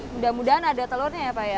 mudah mudahan ada telurnya ya pak ya